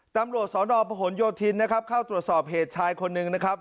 ตำรวจสนประหลโยธินนะครับเข้าตรวจสอบเหตุชายคนหนึ่งนะครับ